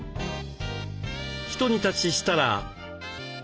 ひと煮立ちしたら。